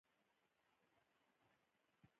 ښوونځي د ماشومانو راتلونکي جوړوي